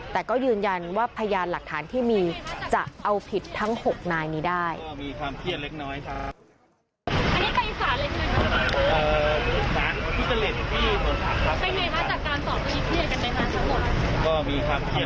แต่ก็ยืนยันว่าพยานหลักฐานที่มีจะเอาผิดทั้ง๖นายนี้ได้